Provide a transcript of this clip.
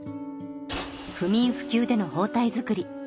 不眠不休での包帯作り。